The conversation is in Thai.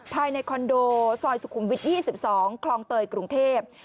ภายในคอนโดซอยสุขุมวิท๒๒คลองเตยกรุงเทพ